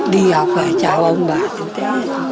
đi học phải chào ông bà tí tế